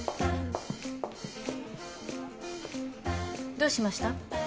どうしました？